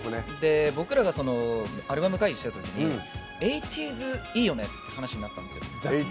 僕らがアルバム会議してるときに８０’ｓっていいよねって話になったんですよね。